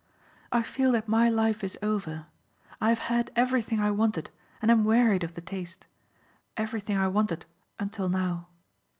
I feel that my life is over. I have had everything I wanted and am wearied of the taste. Everything I wanted until now.